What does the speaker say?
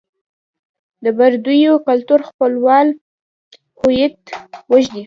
د پردیو کلتور خپلول هویت وژني.